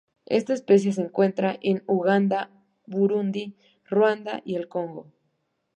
Esta especie se encuentra en Uganda, Burundi, Ruanda y el Congo.